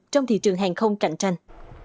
trong thị trường hàng không cạnh tranh